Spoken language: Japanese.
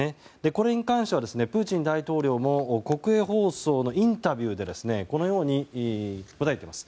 これに関してはプーチン大統領も国営放送のインタビューでこのように答えています。